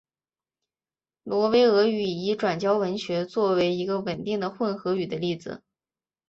挪威俄语已转交文学作为一个稳定的混合语的例子。